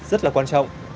rất là quan trọng